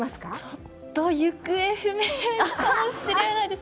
ちょっと行方不明かもしれないです。